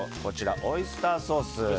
オイスターソース。